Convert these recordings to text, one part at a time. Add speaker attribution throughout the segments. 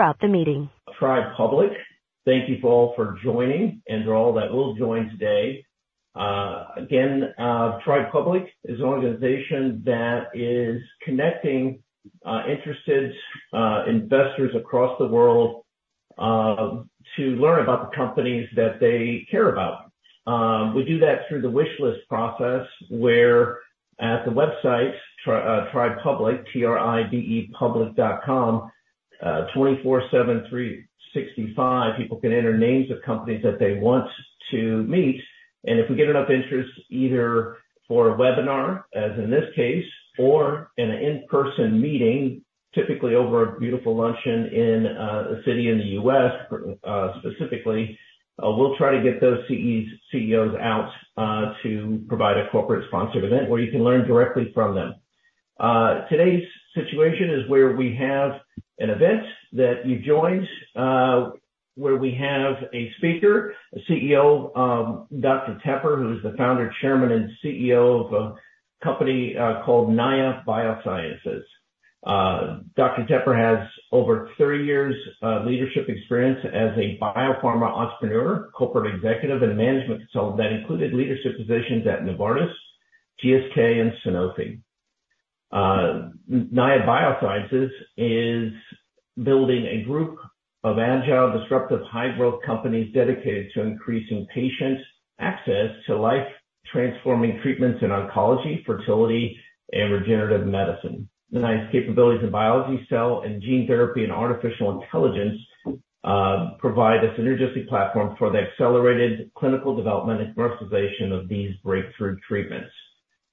Speaker 1: Tribe Public. Thank you for all for joining, and for all that will join today. Again, Tribe Public is an organization that is connecting interested investors across the world to learn about the companies that they care about. We do that through the wishlist process, where at the website, Tribe Public, T-R-I-B-E public.com, 24/7, 365, people can enter names of companies that they want to meet, and if we get enough interest, either for a webinar, as in this case, or an in-person meeting, typically over a beautiful luncheon in a city in the U.S., specifically, we'll try to get those CEOs out to provide a corporate sponsored event where you can learn directly from them. Today's situation is where we have an event that you joined, where we have a speaker, a CEO, Dr. Teper, who's the Founder, Chairman, and CEO of a company called NAYA Biosciences. Dr. Teper has over 30 years leadership experience as a biopharma entrepreneur, corporate executive, and management consultant that included leadership positions at Novartis, GSK, and Sanofi. NAYA Biosciences is building a group of agile, disruptive, high-growth companies dedicated to increasing patients' access to life-transforming treatments in oncology, fertility, and regenerative medicine. NAYA's capabilities in biology, cell, and gene therapy and artificial intelligence provide a synergistic platform for the accelerated clinical development and commercialization of these breakthrough treatments.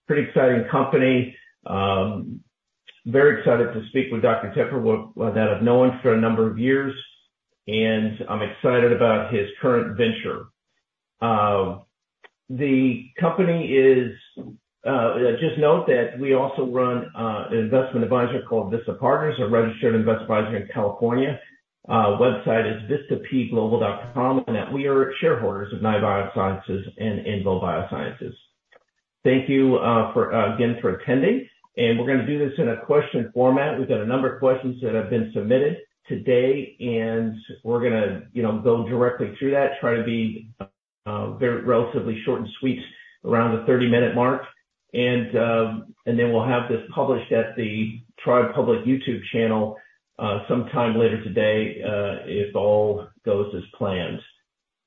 Speaker 1: Pretty exciting company. Very excited to speak with Dr. Teper, who that I've known for a number of years, and I'm excited about his current venture. Just note that we also run an investment advisor called Vista Partners, a registered investment advisor in California. Website is vistapglobal.com, and that we are shareholders of NAYA Biosciences and INVO Biosciences. Thank you, for, again, for attending, and we're gonna do this in a question format. We've got a number of questions that have been submitted today, and we're gonna, you know, go directly through that, try to be very relatively short and sweet, around the 30-minute mark. Then we'll have this published at the Tribe Public YouTube channel, sometime later today, if all goes as planned.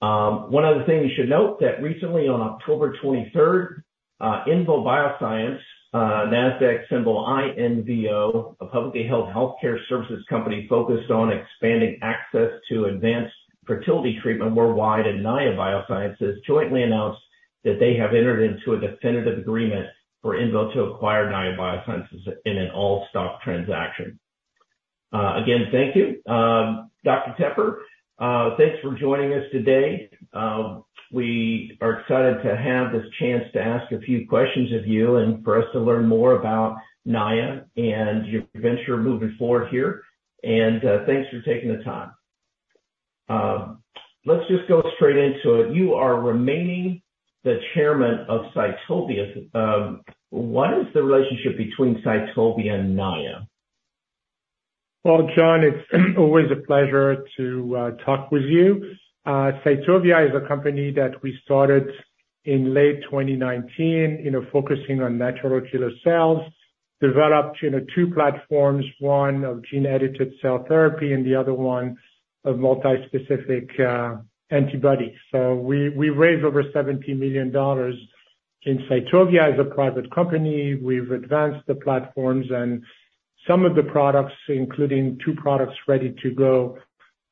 Speaker 1: One other thing we should note, that recently, on October 23rd, INVO Bioscience, NASDAQ symbol INVO, a publicly held healthcare services company focused on expanding access to advanced fertility treatment worldwide, and NAYA Biosciences jointly announced that they have entered into a definitive agreement for INVO to acquire NAYA Biosciences in an all-stock transaction. Again, thank you. Dr. Teper, thanks for joining us today. We are excited to have this chance to ask a few questions of you and for us to learn more about NAYA and your venture moving forward here, and, thanks for taking the time. Let's just go straight into it. You are remaining the chairman of Cytovia. What is the relationship between Cytovia and NAYA?
Speaker 2: Well, John, it's always a pleasure to talk with you. Cytovia is a company that we started in late 2019, you know, focusing on natural killer cells. Developed, you know, two platforms, one of gene-edited cell therapy and the other one of multi-specific antibodies. So we raised over $70 million in Cytovia as a private company. We've advanced the platforms and some of the products, including two products ready to go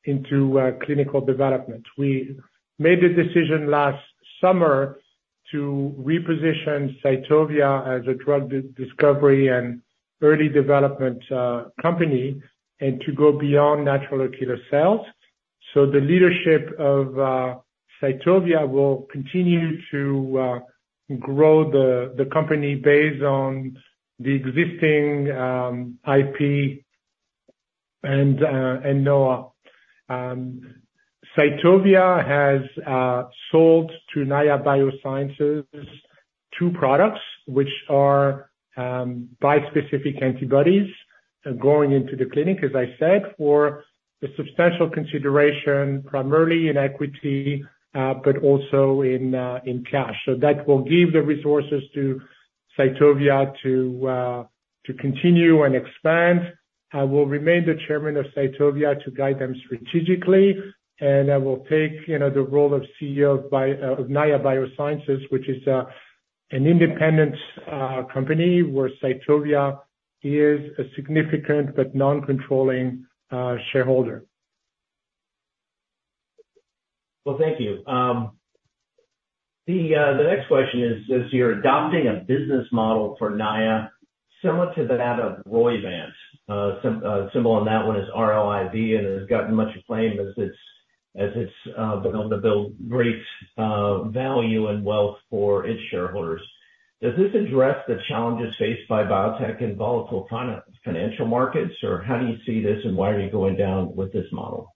Speaker 2: into clinical development. We made the decision last summer to reposition Cytovia as a drug discovery and early development company, and to go beyond natural killer cells. So the leadership of Cytovia will continue to grow the company based on the existing IP and know-how. Cytovia has sold to NAYA Biosciences two products, which are bispecific antibodies going into the clinic, as I said, for a substantial consideration, primarily in equity, but also in cash. So that will give the resources to Cytovia to continue and expand. I will remain the chairman of Cytovia to guide them strategically, and I will take, you know, the role of CEO of NAYA Biosciences, which is an independent company, where Cytovia is a significant but non-controlling shareholder.
Speaker 1: Well, thank you. The next question is, as you're adopting a business model for NAYA, similar to that of Roivant, symbol on that one is ROIV, and it has gotten much acclaim as it's been able to build great value and wealth for its shareholders. Does this address the challenges faced by biotech and volatile financial markets, or how do you see this, and why are you going down with this model?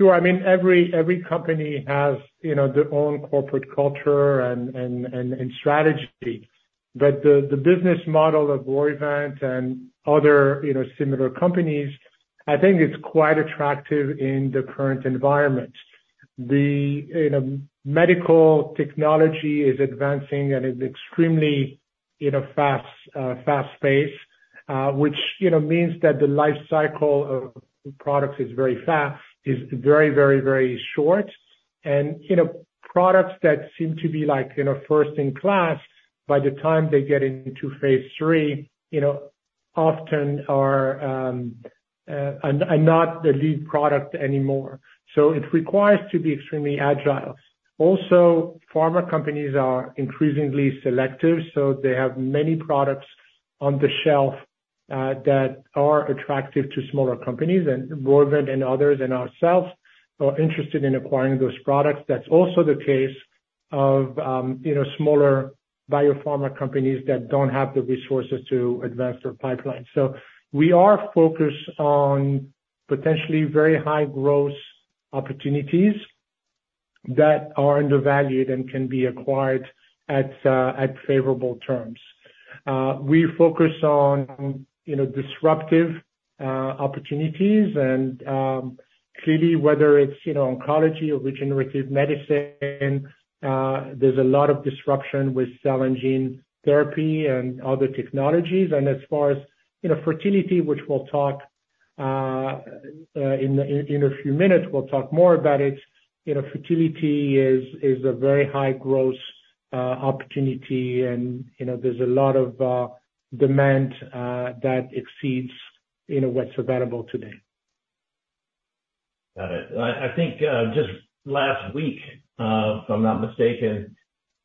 Speaker 2: Sure. I mean, every company has, you know, their own corporate culture and strategy, but the business model of Roivant and other, you know, similar companies, I think it's quite attractive in the current environment. The, you know, medical technology is advancing and is extremely fast pace, which, you know, means that the life cycle of products is very fast, is very, very, very short. And, you know, products that seem to be like, you know, first in class, by the time they get into phase III, you know, often are not the lead product anymore. So it requires to be extremely agile. Also, pharma companies are increasingly selective, so they have many products on the shelf that are attractive to smaller companies, and others and ourselves are interested in acquiring those products. That's also the case of, you know, smaller biopharma companies that don't have the resources to advance their pipeline. So we are focused on potentially very high growth opportunities that are undervalued and can be acquired at favorable terms. We focus on, you know, disruptive opportunities. And clearly, whether it's, you know, oncology or regenerative medicine, there's a lot of disruption with cell and gene therapy and other technologies. And as far as, you know, fertility, which we'll talk in a few minutes, we'll talk more about it. You know, fertility is a very high growth opportunity and, you know, there's a lot of demand that exceeds, you know, what's available today.
Speaker 1: Got it. I think just last week, if I'm not mistaken,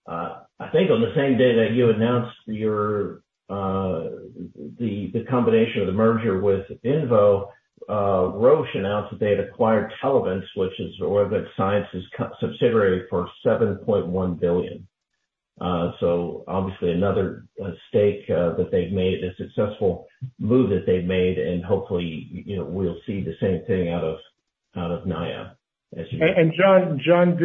Speaker 1: I think on the same day that you announced your. the combination of the merger with INVO, Roche announced that they had acquired Telavant, which is OrbiMed co-subsidiary for $7.1 billion. So obviously another stake that they've made, a successful move that they've made, and hopefully, you know, we'll see the same thing out of NAYA, as you-
Speaker 2: John,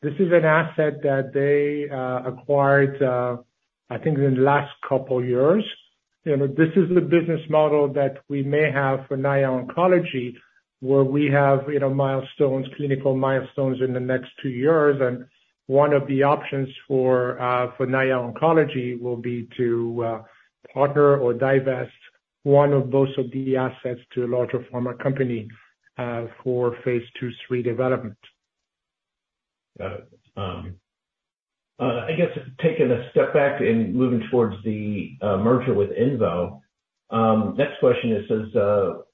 Speaker 2: this is an asset that they acquired, I think in the last couple years. You know, this is the business model that we may have for NAYA Oncology, where we have, you know, milestones, clinical milestones in the next two years. One of the options for NAYA Oncology will be to partner or divest one or both of the assets to a larger pharma company for phase II, III development.
Speaker 1: Got it. I guess taking a step back and moving towards the merger with INVO. Next question, it says,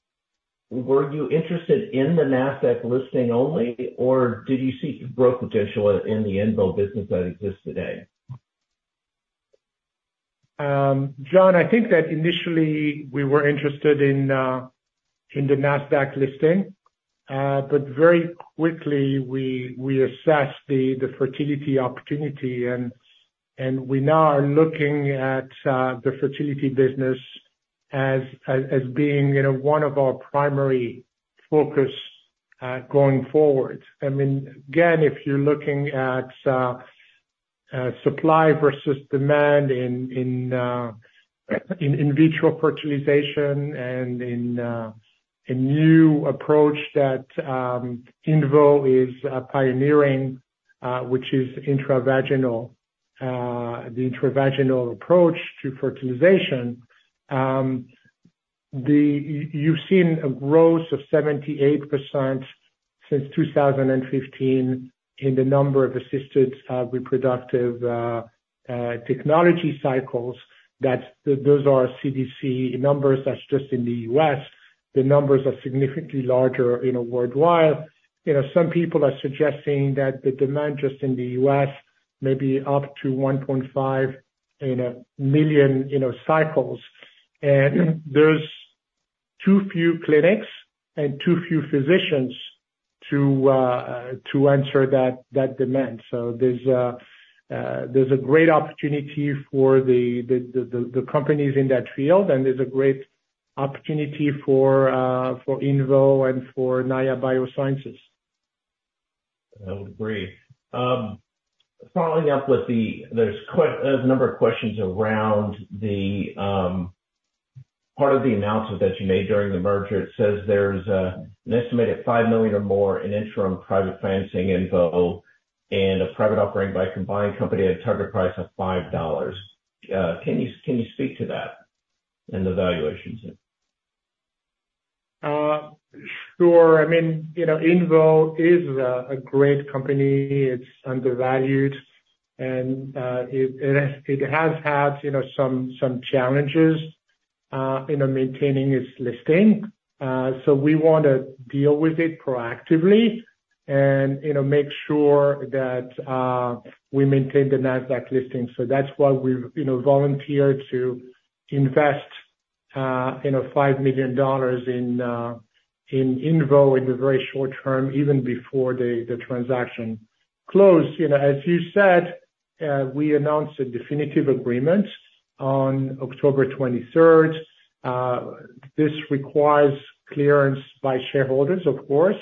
Speaker 1: Were you interested in the NASDAQ listing only, or did you see growth potential in the INVO business that exists today?
Speaker 2: John, I think that initially we were interested in the NASDAQ listing, but very quickly we assessed the fertility opportunity, and we now are looking at the fertility business as being, you know, one of our primary focus going forward. I mean, again, if you're looking at supply versus demand in in vitro fertilization and in a new approach that INVO is pioneering, which is intravaginal, the intravaginal approach to fertilization. You've seen a growth of 78% since 2015 in the number of assisted reproductive technology cycles, that's those are CDC numbers. That's just in the U.S. The numbers are significantly larger, you know, worldwide. You know, some people are suggesting that the demand just in the U.S. may be up to 1.5 million, you know, cycles. There's too few clinics and too few physicians to answer that demand. So there's a great opportunity for the companies in that field, and there's a great opportunity for INVO and for NAYA Biosciences.
Speaker 1: I would agree. Following up with the, there's quite a number of questions around the part of the announcement that you made during the merger. It says there's an estimated $5 million or more in interim private financing INVO and a private operating by a combined company at a target price of $5. Can you, can you speak to that and the valuations?
Speaker 2: Sure. I mean, you know, INVO is a great company. It's undervalued, and it has had, you know, some challenges in maintaining its listing. So we want to deal with it proactively and, you know, make sure that we maintain the NASDAQ listing. So that's why we've, you know, volunteered to invest $5 million in INVO in the very short term, even before the transaction closed. You know, as you said, we announced a definitive agreement on October twenty-third. This requires clearance by shareholders, of course,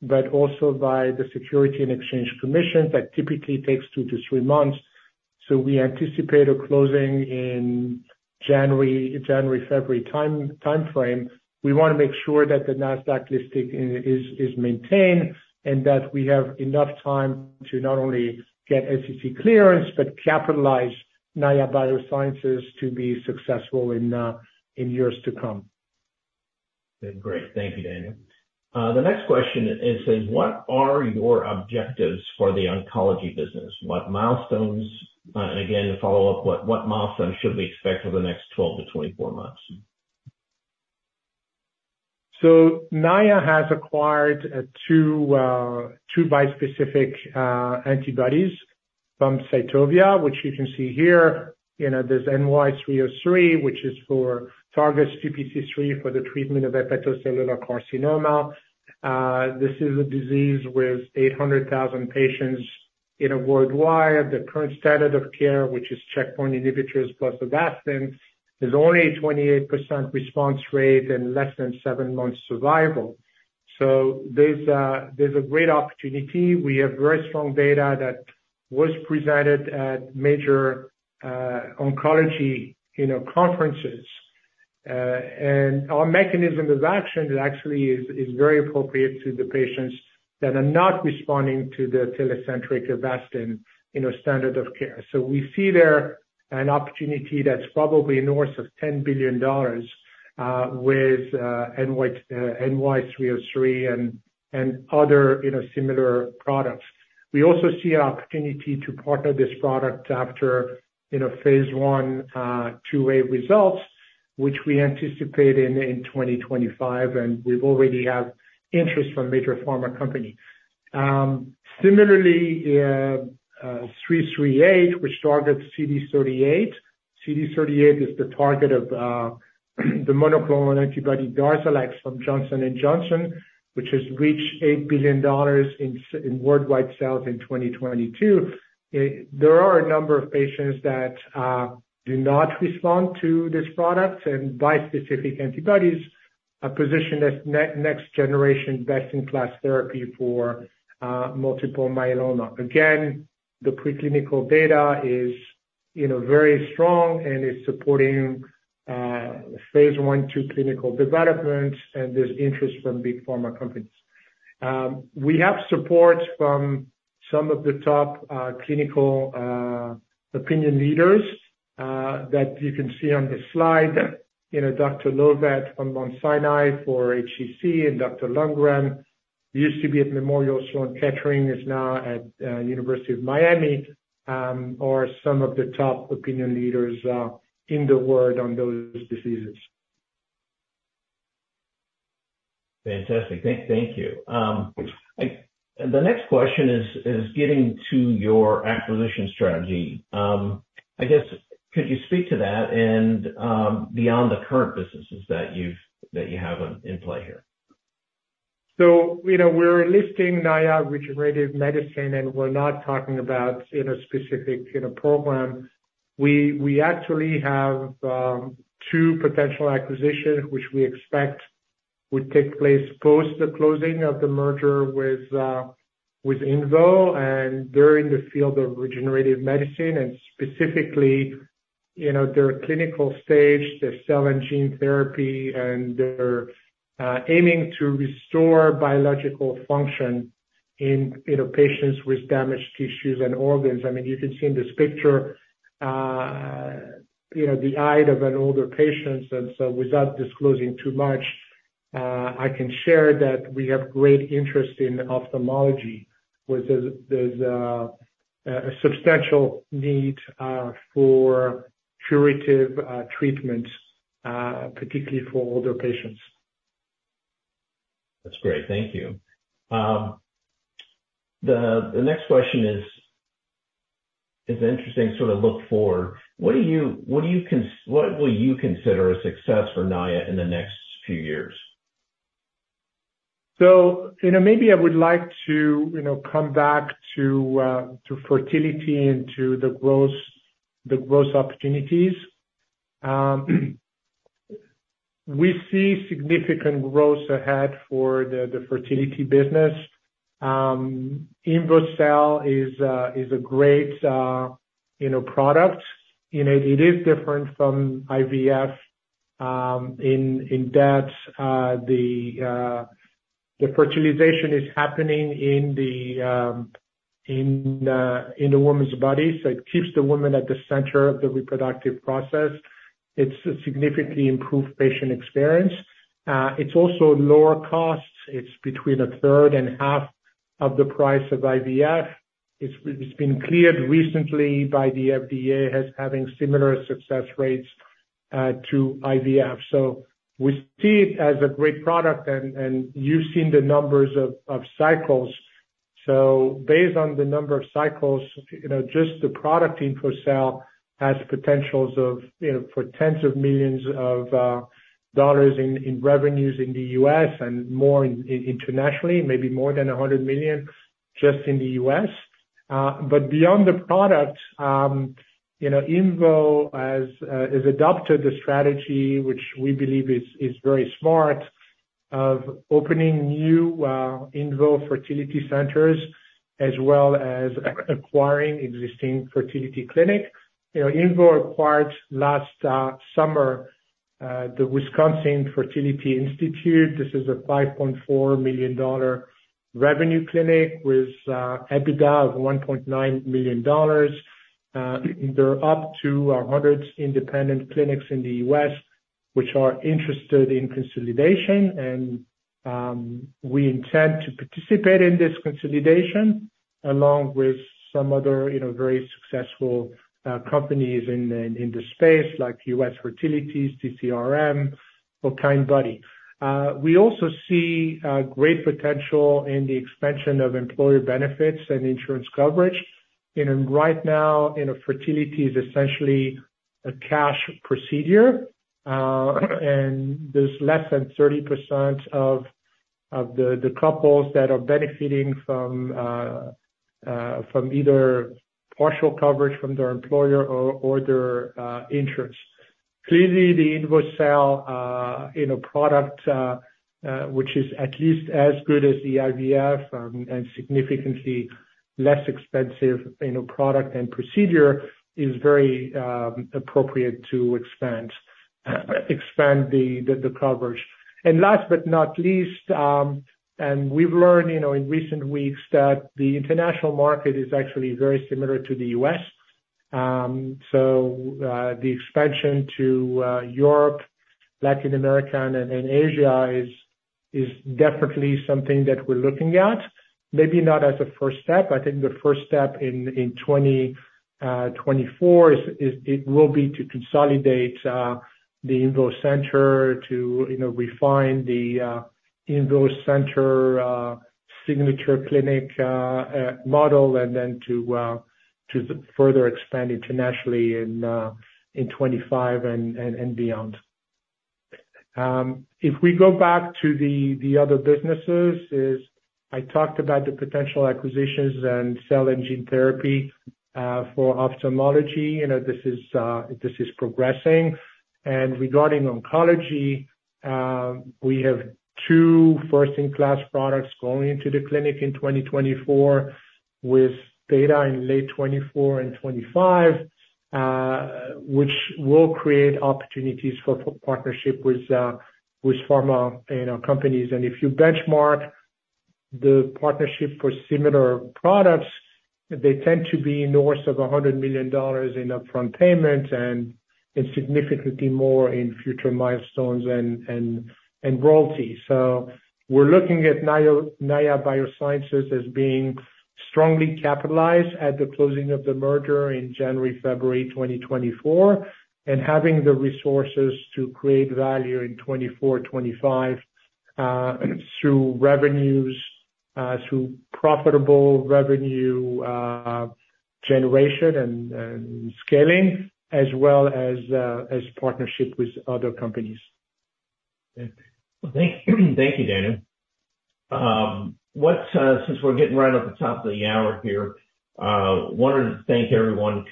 Speaker 2: but also by the Securities and Exchange Commission. That typically takes two to three months, so we anticipate a closing in January, February timeframe. We wanna make sure that the Nasdaq listing is maintained, and that we have enough time to not only get SEC clearance, but capitalize NAYA Biosciences to be successful in years to come.
Speaker 1: Great. Thank you, Daniel. The next question is: What are your objectives for the oncology business? What milestones, and again, to follow up, what milestones should we expect over the next 12-24 months?
Speaker 2: So NAYA has acquired two bispecific antibodies from Cytovia, which you can see here. You know, there's NY-303, which is for targets GPC3 for the treatment of hepatocellular carcinoma. This is a disease with 800,000 patients, you know, worldwide. The current standard of care, which is checkpoint inhibitors plus Avastin, is only a 28% response rate and less than seven months survival. So there's a great opportunity. We have very strong data that was presented at major oncology, you know, conferences. And our mechanism of action actually is very appropriate to the patients that are not responding to the Tecentriq Avastin, you know, standard of care. So we see there an opportunity that's probably north of $10 billion with NY-303 and other, you know, similar products. We also see an opportunity to partner this product after, you know, phase I, II results, which we anticipate in 2025, and we've already have interest from major pharma company. Similarly, NY-338, which targets CD38. CD38 is the target of the monoclonal antibody Darzalex from Johnson & Johnson, which has reached $8 billion in worldwide sales in 2022. There are a number of patients that do not respond to this product, and bispecific antibodies, a position that next generation, best-in-class therapy for multiple myeloma. Again, the preclinical data is, you know, very strong and is supporting phase I, II clinical development, and there's interest from big pharma companies. We have support from some of the top clinical opinion leaders that you can see on the slide. You know, Dr. Llovet from Mount Sinai for HCC, and Dr. Landgren, used to be at Memorial Sloan Kettering, is now at University of Miami, are some of the top opinion leaders in the world on those diseases.
Speaker 1: Fantastic. Thank you. The next question is getting to your acquisition strategy. I guess, could you speak to that and beyond the current businesses that you have in play here?
Speaker 2: So, you know, we're listing NAYA Regenerative Medicine, and we're not talking about in a specific, you know, program. We actually have two potential acquisitions, which we expect would take place post the closing of the merger with INVO, and they're in the field of regenerative medicine, and specifically, you know, they're clinical stage, they're cell and gene therapy, and they're aiming to restore biological function in, you know, patients with damaged tissues and organs. I mean, you can see in this picture, you know, the eye of an older patient, and so without disclosing too much, I can share that we have great interest in ophthalmology, where there's a substantial need for curative treatments, particularly for older patients.
Speaker 1: That's great. Thank you. The next question is interesting, sort of look forward. What will you consider a success for NAYA in the next few years?
Speaker 2: So, you know, maybe I would like to, you know, come back to fertility and to the growth, the growth opportunities. We see significant growth ahead for the, the fertility business. INVOcell is a, is a great, you know, product. You know, it is different from IVF, in, in that, the, the fertilization is happening in the, in, in the woman's body. So it keeps the woman at the center of the reproductive process. It's a significantly improved patient experience. It's also lower costs. It's between a third and half of the price of IVF. It's, it's been cleared recently by the FDA as having similar success rates, to IVF. So we see it as a great product, and, and you've seen the numbers of, of cycles. So based on the number of cycles, you know, just the product INVOcell has potentials of, you know, for tens of millions of dollars in revenues in the US and more in internationally, maybe more than $100 million, just in the US. But beyond the product, you know, INVO has adopted the strategy, which we believe is very smart, of opening new INVO fertility centers, as well as acquiring existing fertility clinic. You know, INVO acquired last summer the Wisconsin Fertility Institute. This is a $5.4 million revenue clinic with EBITDA of $1.9 million. There are up to 100 independent clinics in the U.S. which are interested in consolidation, and we intend to participate in this consolidation, along with some other, you know, very successful companies in the space, like US Fertility, CCRM or Kindbody. We also see great potential in the expansion of employer benefits and insurance coverage. You know, right now, you know, fertility is essentially a cash procedure, and there's less than 30% of the couples that are benefiting from either partial coverage from their employer or their insurance. Clearly, the INVOcell, you know, product, which is at least as good as the IVF, and significantly less expensive, you know, product and procedure, is very appropriate to expand the coverage. And last but not least, and we've learned, you know, in recent weeks that the international market is actually very similar to the U.S. So, the expansion to Europe, Latin America, and Asia is definitely something that we're looking at. Maybe not as a first step. I think the first step in 2024 is it will be to consolidate the INVO Center to, you know, refine the INVO Center signature clinic model, and then to further expand internationally in 2025 and beyond. If we go back to the other businesses is, I talked about the potential acquisitions and cell and gene therapy for ophthalmology, you know, this is progressing. Regarding oncology, we have two first-in-class products going into the clinic in 2024, with data in late 2024 and 2025, which will create opportunities for partnership with pharma, you know, companies. If you benchmark the partnership for similar products, they tend to be in the worth of $100 million in upfront payments and significantly more in future milestones and royalties. So we're looking at NAYA Biosciences as being strongly capitalized at the closing of the merger in January, February 2024, and having the resources to create value in 2024, 2025, through revenues, through profitable revenue generation and scaling, as well as partnership with other companies.
Speaker 1: Thank you. Thank you, Daniel. Since we're getting right at the top of the hour here, wanted to thank everyone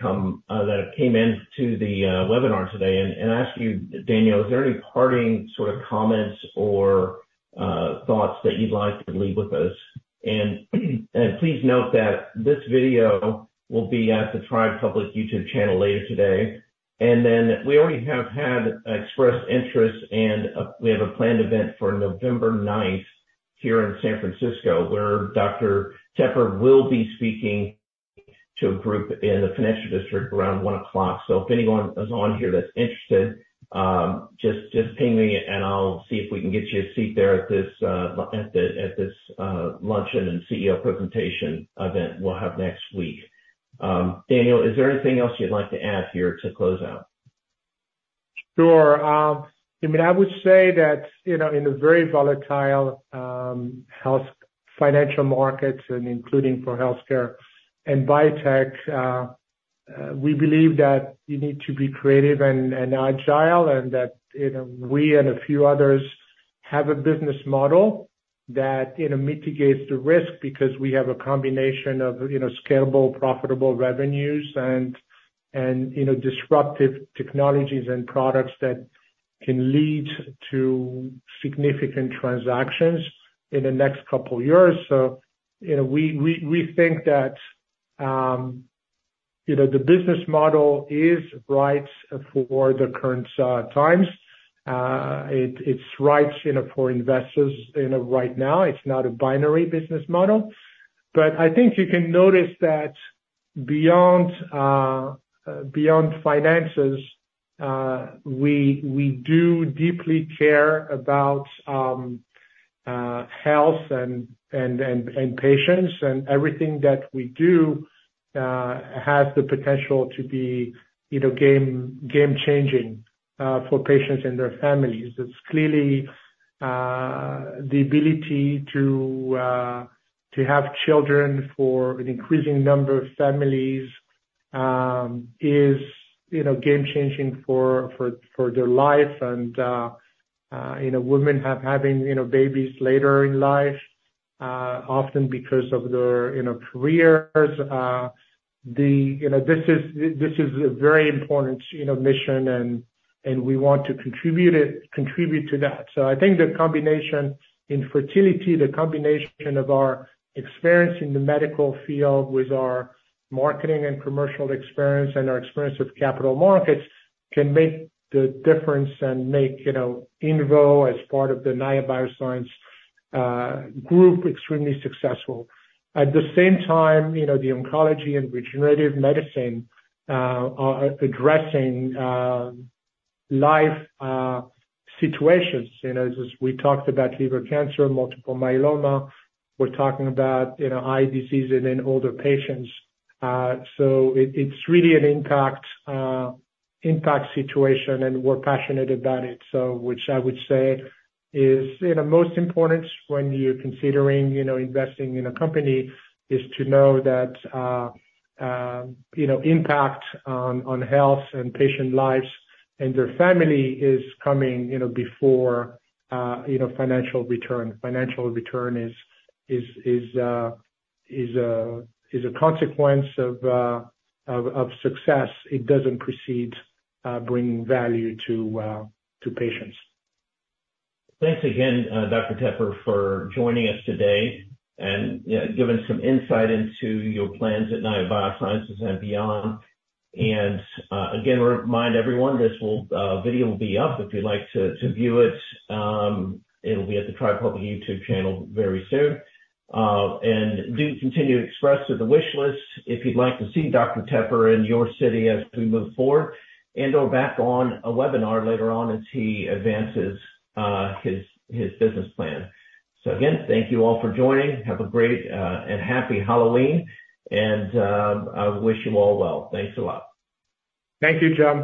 Speaker 1: that came in to the webinar today. And ask you, Daniel, is there any parting sort of comments or thoughts that you'd like to leave with us? And please note that this video will be at the Tribe Public YouTube channel later today. And then we already have had expressed interest, and we have a planned event for November 9th, here in San Francisco, where Dr. Teper will be speaking to a group in the financial district around 1:00 P.M. If anyone is on here that's interested, just ping me and I'll see if we can get you a seat there at this luncheon and CEO presentation event we'll have next week. Daniel, is there anything else you'd like to add here to close out?
Speaker 2: Sure. I mean, I would say that, you know, in a very volatile health financial markets and including for healthcare and biotech, we believe that you need to be creative and agile, and that, you know, we and a few others have a business model that, you know, mitigates the risk because we have a combination of, you know, scalable, profitable revenues and you know, disruptive technologies and products that can lead to significant transactions in the next couple years. So, you know, we think that, you know, the business model is right for the current times. It, it's right, you know, for investors, you know, right now, it's not a binary business model. But I think you can notice that beyond finances, we do deeply care about health and patients, and everything that we do has the potential to be, you know, game-changing for patients and their families. It's clearly the ability to have children for an increasing number of families is, you know, game changing for their life and, you know, women having babies later in life, often because of their careers. You know, this is a very important mission and we want to contribute to that. So I think the combination in fertility, the combination of our experience in the medical field with our marketing and commercial experience and our experience with capital markets, can make the difference and make, you know, INVO as part of the NAYA Biosciences group, extremely successful. At the same time, you know, the oncology and regenerative medicine are addressing life situations. You know, as we talked about liver cancer, multiple myeloma, we're talking about, you know, eye disease and in older patients. So it's really an impact situation, and we're passionate about it. So which I would say is, you know, most important when you're considering, you know, investing in a company, is to know that, you know, impact on health and patient lives and their family is coming, you know, before, you know, financial return. Financial return is a consequence of success. It doesn't precede bringing value to patients.
Speaker 1: Thanks again, Dr. Teper, for joining us today and giving some insight into your plans at NAYA Biosciences and beyond. And again, remind everyone this video will be up if you'd like to view it. It'll be at the Tribe Public YouTube channel very soon. And do continue to express to the wish list if you'd like to see Dr. Teper in your city as we move forward, and/or back on a webinar later on as he advances his business plan. So again, thank you all for joining. Have a great and happy Halloween, and I wish you all well. Thanks a lot.
Speaker 2: Thank you, John.